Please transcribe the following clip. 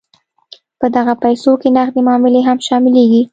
په دغه پیسو کې نغدې معاملې هم شاملیږي.